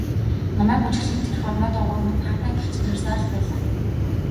Намайг бүжиглэхэд тэр хормой доогуур минь таатай гэгч нь харсаар л байлаа.